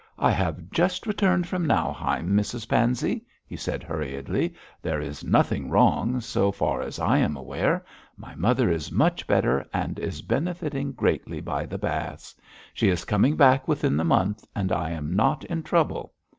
'I have just returned from Nauheim, Mrs Pansey,' he said hurriedly. 'There is nothing wrong, so far as I am aware. My mother is much better, and is benefiting greatly by the baths. She is coming back within the month, and I am not in trouble.